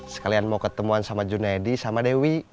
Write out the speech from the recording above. sekalian mau ketemuan sama junaidi sama dewi